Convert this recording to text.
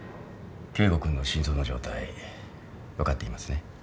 圭吾君の心臓の状態分かっていますね？